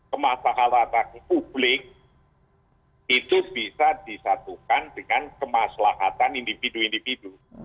kemaslahatan publik itu bisa disatukan dengan kemaslahatan individu individu